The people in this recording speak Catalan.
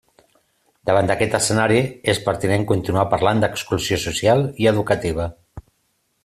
Davant d'aquest escenari és pertinent continuar parlant d'exclusió social i educativa.